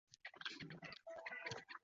它的名称是阿塞拜疆新闻服务的缩写。